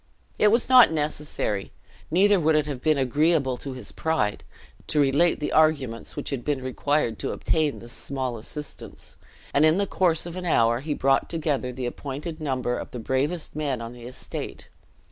It was not necessary, neither would it have been agreeable to his pride, to relate the arguments which had been required to obtain this small assistance; and in the course of an hour he brought together the appointed number of the bravest men on the estate.